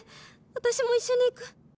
私も一緒に逝く！」。